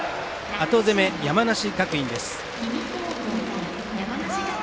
後攻め、山梨学院です。